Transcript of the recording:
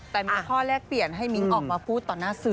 แต่มีข้อแลกเปลี่ยนให้มิ้งออกมาพูดต่อหน้าสื่อ